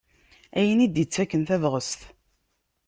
Ayen i d-ittaken tabɣest.